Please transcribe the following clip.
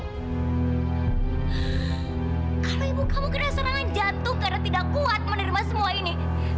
kalau ibu kamu kena serangan jatuh karena tidak kuat menerima semua ini